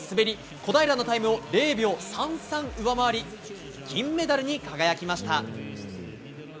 小平のタイムを０秒３３上回り銀メダルに輝きました。